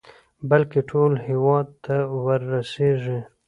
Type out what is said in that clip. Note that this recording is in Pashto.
بلكې ټول هېواد ته ورسېږي.